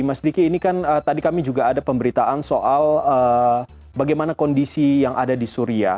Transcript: mas diki ini kan tadi kami juga ada pemberitaan soal bagaimana kondisi yang ada di suria